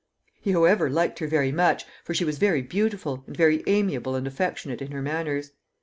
He, however, liked her very much, for she was very beautiful, and very amiable and affectionate in her manners.